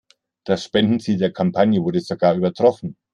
Das Spendenziel der Kampagne wurde sogar übertroffen.